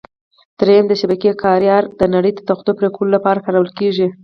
درېیم: د شبکې کارۍ اره: د نرۍ تختو پرېکولو لپاره کارول کېږي.